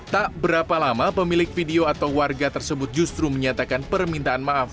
tak berapa lama pemilik video atau warga tersebut justru menyatakan permintaan maaf